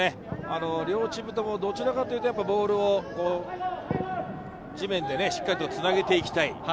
両チームともどちらかというと、ボールを地面でしっかりとつなげていきたい。